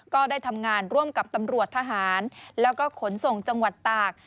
ก็ได้ทำงานร่วมกับตำรวจทหารแล้วก็ขนส่งจังหวัดตาก